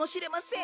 ん？